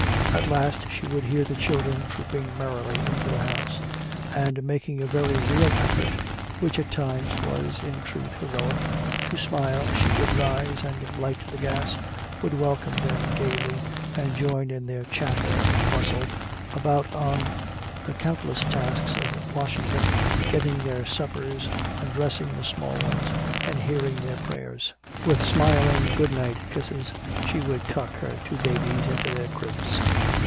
At last she would hear the children trooping merrily into the house. And making a very real effort, which at times was in truth heroic, to smile, she would rise and light the gas, would welcome them gaily and join in their chatter and bustle about on the countless tasks of washing them, getting their suppers, undressing the small ones and hearing their prayers. With smiling good night kisses she would tuck her two babies into their cribs.